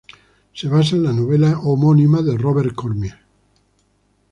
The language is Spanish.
Se basa en la novela homónima de Robert Cormier.